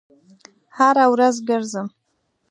هره ورځ ګرځم